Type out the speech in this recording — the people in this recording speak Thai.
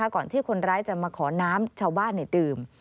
ก่อนที่คนร้ายจะมาขอน้ำชาวบ้านดื่ม